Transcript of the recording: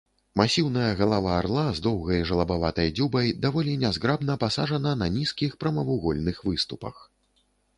Масіўная галава арла з доўгай жалабаватай дзюбай даволі нязграбна пасаджана на нізкіх прамавугольных выступах.